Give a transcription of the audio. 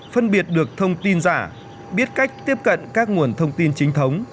phân biệt được thông tin giả biết cách tiếp cận các nguồn thông tin chính thống